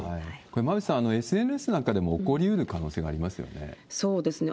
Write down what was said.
これは馬渕さん、ＳＮＳなんかでも起こりうる可能性がありまそうですね。